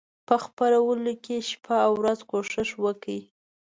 په خپرولو کې شپه او ورځ کوښښ وکړي.